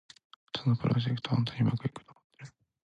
そのプロジェクト、本当にうまくいくと思ってるの？